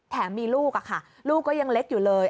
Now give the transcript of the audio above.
มีลูกค่ะลูกก็ยังเล็กอยู่เลย